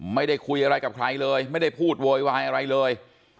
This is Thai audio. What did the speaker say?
ไม่ได้คุยอะไรกับใครเลยไม่ได้พูดโวยวายอะไรเลย